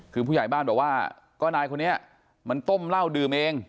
คือผู้ใหญ่บ้านบอกว่าก็นายคนนี้มันต้มเหล้าดื่มเอง